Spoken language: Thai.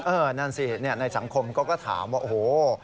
เออนั่นสิในสังคมก็ถามว่าโอ้โฮ